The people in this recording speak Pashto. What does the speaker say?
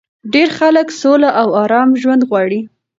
ډېری خلک سوله او ارام ژوند غواړي